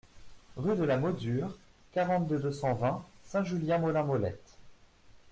Rue de la Modure, quarante-deux, deux cent vingt Saint-Julien-Molin-Molette